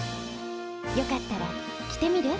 よかったら着てみる？